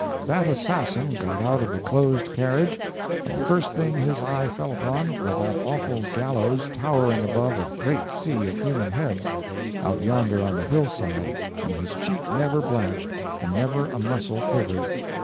That assassin got out of the closed carriage, and the first thing his eye fell upon was that awful gallows towering above a great sea of human heads, out yonder on the hill side and his cheek never blanched, and never a muscle quivered!